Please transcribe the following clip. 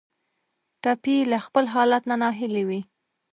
ټپي له خپل حالت نه ناهیلی وي.